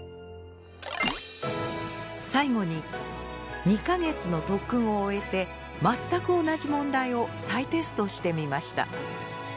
最後に２か月の特訓を終えて全く同じ問題を再テストしてみました。